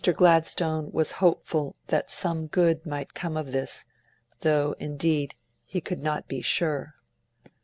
Gladstone was hopeful that some good might come of this though indeed he could not be sure.